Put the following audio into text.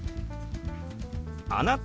「あなた？」。